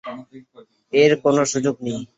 এর কোন সুযোগ নেই!